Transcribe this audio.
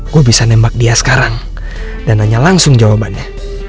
gue bisa nembak dia sekarang dan nanya langsung jawabannya